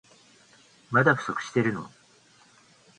まだ不足してるの？